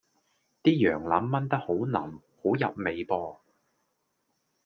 啲羊腩炆得好腍好入味噃